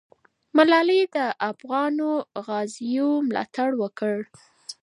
ملالۍ د افغانو غازیو ملاتړ وکړ.